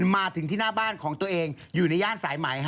มาถึงที่หน้าบ้านของตัวเองอยู่ในย่านสายไหม